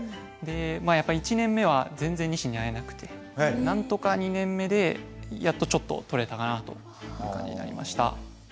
やっぱり１年目は全然ニシンに会えなくてなんとか２年目でやっとちょっと撮れたかなという感じになりました。